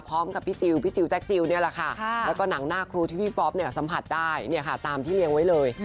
พร้อมกับพี่จิลพี่จิลแจ็คจิลนี่แหละค่ะแล้วก็หนังหน้าครูที่พี่ป๊อปเนี่ยสัมผัสได้เนี่ยค่ะตามที่เลี้ยงไว้เลย